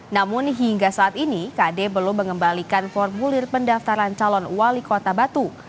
namun hingga saat ini kd belum mengembalikan formulir pendaftaran calon wali kota batu